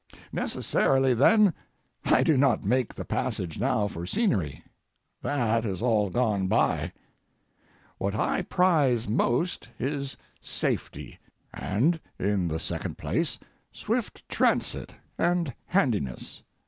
Necessarily, then, I do not make the passage now for scenery. That is all gone by. What I prize most is safety, and in the second place swift transit and handiness.